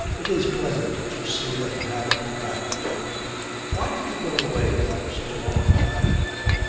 'It is pleasant to see that you have come back, Dering. Why did you go away for such a long time?'